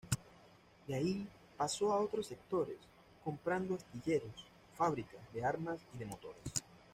De ahí pasó a otros sectores, comprando astilleros, fábricas de armas y de motores.